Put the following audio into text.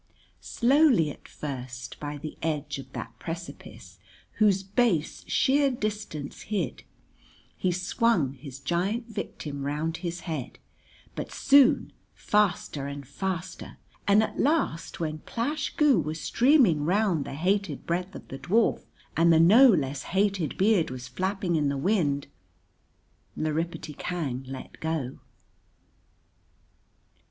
Slowly at first, by the edge of that precipice whose base sheer distance hid, he swung his giant victim round his head, but soon faster and faster; and at last when Plash Goo was streaming round the hated breadth of the dwarf and the no less hated beard was flapping in the wind, Lrippity Kang let go.